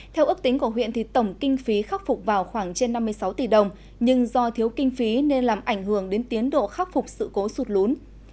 theo ước tính của huyện tổng kinh phí khắc phục vào khoảng trên năm mươi sáu tỷ đồng nhưng do thiếu kinh phí nên làm ảnh hưởng đến tiến độ khắc phục sự cố sụt lún